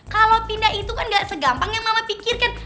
kalo pindah itu kan gak segampang yang mama pikirkan